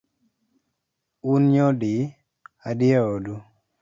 Un nyodi adi e odu?